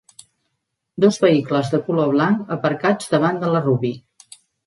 Dos vehicles de color blanc aparcats davant de la Ruby.